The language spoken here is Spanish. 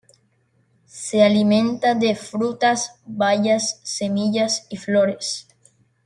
Se alimenta de frutas, bayas, semillas y flores.